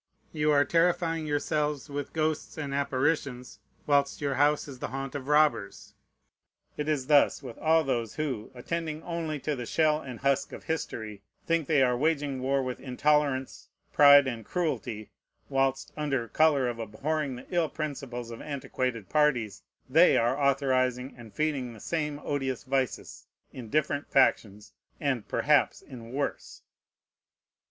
You are terrifying yourselves with ghosts and apparitions, whilst your house is the haunt of robbers. It is thus with all those who, attending only to the shell and husk of history, think they are waging war with intolerance, pride, and cruelty, whilst, under color of abhorring the ill principles of antiquated parties, they are authorizing and feeding the same odious vices in different factions, and perhaps in worse.